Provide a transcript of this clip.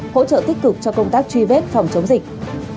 hỗ trợ tích cực cho công tác truy vết phòng chống dịch